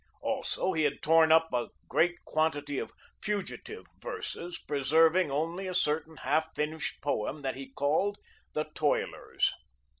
Also he had torn up a great quantity of "fugitive" verses, preserving only a certain half finished poem, that he called "The Toilers."